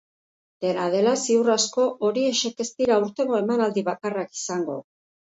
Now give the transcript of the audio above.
Dena dela, ziur asko, horiexek ez dira aurtengo emanaldi bakarrak izango.